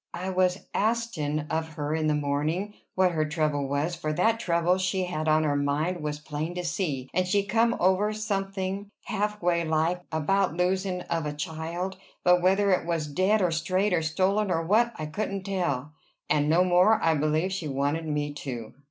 I was astin' of her in the mornin' what her trouble was, for that trouble she had on her mind was plain to see, and she come over something, half way like, about losin' of a child; but whether it were dead, or strayed, or stolen, or what, I couldn't tell; and no more, I believe, she wanted me to."